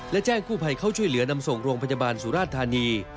และแจ้งกู้ภัยเข้าช่วยเหลือนำส่งโรงพยาบาลสุราชธานี